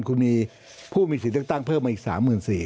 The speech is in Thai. คุณมีผู้มีสิทธิ์เลือกตั้งเพิ่มมาอีก๓๔๐๐